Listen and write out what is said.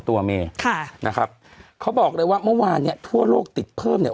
เมค่ะนะครับเขาบอกเลยว่าเมื่อวานเนี้ยทั่วโลกติดเพิ่มเนี่ย